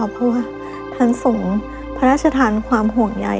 เพื่อทันส่งพระราชธานความห่วงใย